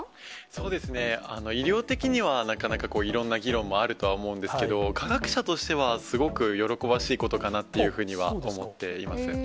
そうですね、医療的には、なかなかいろんな議論もあるとは思うんですけれども、化学者としては、すごく喜ばしいことかなというふうには思っています。